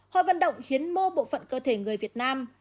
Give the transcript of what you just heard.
hoa vận động hiến mô bộ phận cơ thể người việt nam